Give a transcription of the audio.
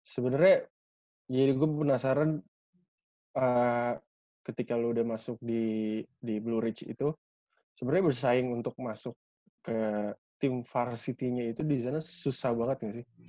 sebenernya jadi gue penasaran ketika lu udah masuk di blue ridge itu sebenernya bersaing untuk masuk ke tim varsitynya itu disana susah banget gak sih